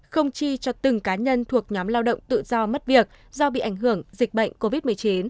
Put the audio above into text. không chi cho từng cá nhân thuộc nhóm lao động tự do mất việc do bị ảnh hưởng dịch bệnh covid một mươi chín